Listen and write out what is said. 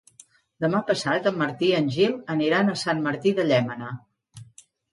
Demà passat en Martí i en Gil aniran a Sant Martí de Llémena.